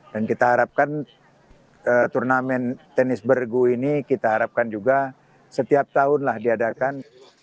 dan kita harapkan turnamen tenis bergu ini kita harapkan juga setiap tahun lah diadakan